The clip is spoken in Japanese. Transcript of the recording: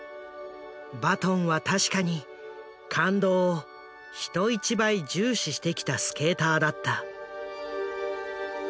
バトンは確かに「感動」を人一倍重視してきたスケーターだった。